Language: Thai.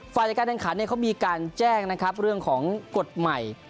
ฝ่ายจัดการแข่งขันเขามีการแจ้งนะครับเรื่องของกฎใหม่